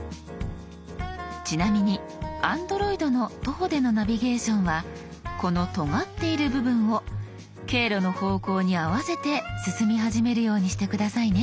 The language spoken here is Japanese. ちなみにＡｎｄｒｏｉｄの徒歩でのナビゲーションはこのとがっている部分を経路の方向に合わせて進み始めるようにして下さいね。